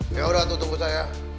yaudah tuh tunggu saya